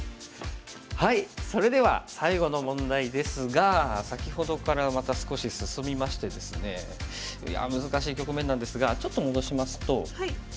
それでは最後の問題ですが先ほどからまた少し進みましてですねいや難しい局面なんですがちょっと戻しますと。